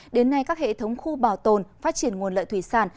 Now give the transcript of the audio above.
đến nay các hệ thống khu bảo tồn phát triển nguồn lợi thủy sản